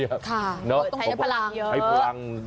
ใช่ต้องใช้พลังเยอะ